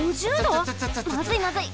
まずいまずい！